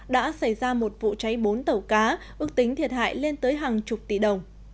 đã xảy ra một vụ cháy bốn tàu cá ước tính thiệt hại lên tới hàng chục tỷ đồng